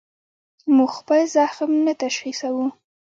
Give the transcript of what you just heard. موږ خپل زخم نه تشخیصوو.